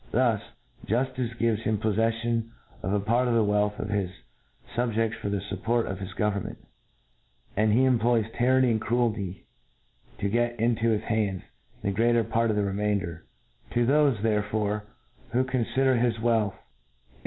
. Thus, juftice gives himpoffeffion of a part of the wealth of his fub jeSs for the fupport of his government ; and he pmploys tyranny and cruelty to get into his hands the greater part of the remainder* To thofe, therefore, who confider his wealth, it.